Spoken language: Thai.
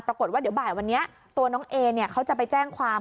ปรากฏว่าเดี๋ยวบ่ายวันนี้ตัวน้องเอเนี่ยเขาจะไปแจ้งความ